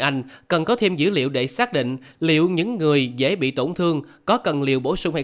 anh cần có thêm dữ liệu để xác định liệu những người dễ bị tổn thương có cần liều bổ sung hệ